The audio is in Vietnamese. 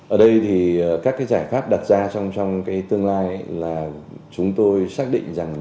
ở đây thì các cái giải pháp đặt ra trong cái tương lai là chúng tôi xác định rằng